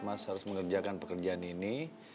mas harus mengerjakan pekerjaan ini